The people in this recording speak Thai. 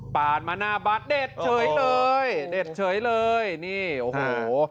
ปาดมาหน้าบาดเด็ดเฉยเลยเด็ดเฉยเลยนี่โอ้โห